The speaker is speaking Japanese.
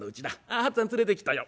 ああ八っつぁん連れてきたよ。